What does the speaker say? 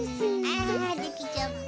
ああできちゃった。